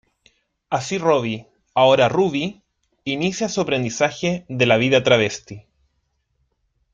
Así Roby -ahora Ruby- inicia su aprendizaje de la vida travesti.